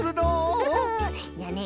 じゃあね